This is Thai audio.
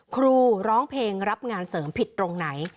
ครูร้องเพลงรับงานเสริมผิดตรงไหน